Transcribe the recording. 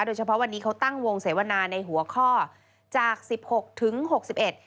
โดยเฉพาะวันนี้เขาตั้งวงเสวนาในหัวข้อจากสิบหกถึงหกสิบเอ็ด